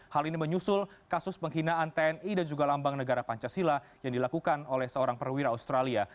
hal ini menyusul kasus penghinaan tni dan juga lambang negara pancasila yang dilakukan oleh seorang perwira australia